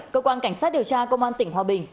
cơ quan cảnh sát điều tra công an tỉnh hòa bình